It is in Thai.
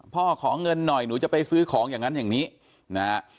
ขอเงินหน่อยหนูจะไปซื้อของอย่างนั้นอย่างนี้นะฮะ